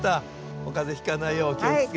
お風邪ひかないようお気をつけて。